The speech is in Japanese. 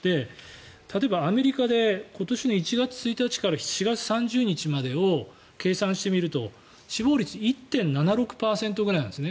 例えばアメリカで今年の１月１日から４月３０日までを計算してみると、死亡率１．７６％ぐらいなんですね。